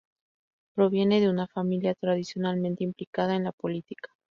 Proviene de una familia tradicionalmente implicada en la política.